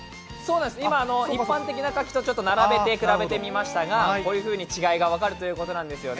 一般的な柿と並べて比べてみましたが、こういうふうに違いが分かるということなんです。